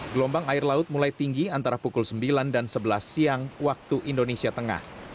gelombang air laut mulai tinggi antara pukul sembilan dan sebelas siang waktu indonesia tengah